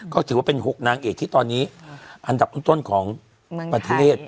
ก็ถือว่าเป็น๖นางเอกที่ตอนนี้อันดับต้นของประเทศ